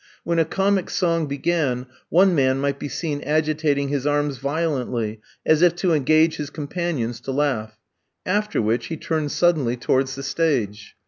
When a comic song began, one man might be seen agitating his arms violently, as if to engage his companions to laugh; after which he turned suddenly towards the stage.